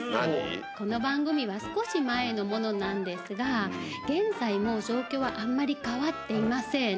この番組は少し前のものなんですが、現在も状況はあんまり変わっていません。